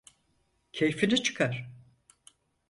Keyfini çıkar.